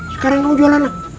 sekarang kamu jual anak